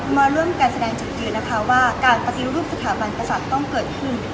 มาร่วมกันแสดงจุดยืนนะคะว่าการปฏิรูปสถาบันกษัตริย์ต้องเกิดขึ้น